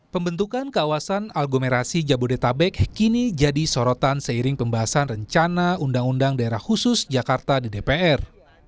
pembentukan kawasan aglomerasi jabodetabek kini jadi sorotan seiring pembahasan rencana undang undang daerah khusus jakarta di dpr